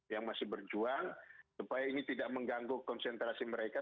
yang masih berjuang supaya ini tidak mengganggu konsentrasi mereka